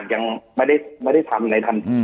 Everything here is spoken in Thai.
จนถึงปัจจุบันมีการมารายงานตัว